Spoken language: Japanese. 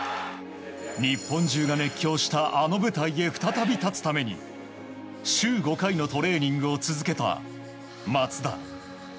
日本中が熱狂したあの舞台に再び立つために週５回のトレーニングを続けた松田。